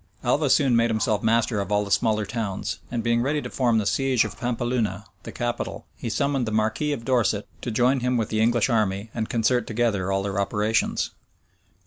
Alva soon made himself master of all the smaller towns; and being ready to form the siege of Pampeluna, the capital, he summoned the marquis of Dorset to join him with the English army, and concert together all their operations.